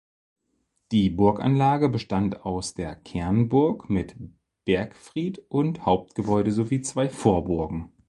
Die Burganlage bestand aus der Kernburg mit Bergfried und Hauptgebäude sowie zwei Vorburgen.